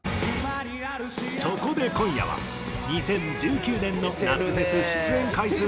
そこで今夜は２０１９年の夏フェス出演回数